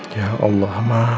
ya allah ma